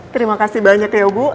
terima kasih banyak ya ibu